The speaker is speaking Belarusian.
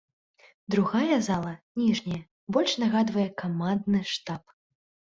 Другая зала, ніжняя, больш нагадвае камандны штаб.